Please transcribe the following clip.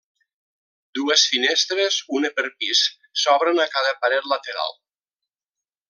Dues finestres, una per pis, s'obren a cada paret lateral.